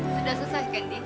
sudah selesai kendi